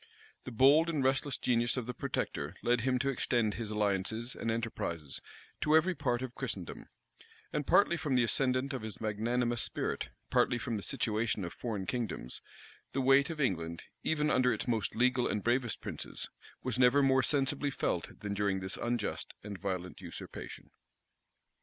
The bold and restless genius of the protector led him to extend his alliances and enterprises to every part of Christendom; and partly from the ascendant of his magnanimous spirit, partly from the situation of foreign kingdoms, the weight of England, even under its most legal and bravest princes, was never more sensibly felt than during this unjust and violent usurpation.